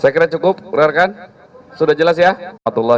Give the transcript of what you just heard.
saya kira cukup sudah jelas ya